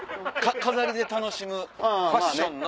飾りで楽しむファッションの。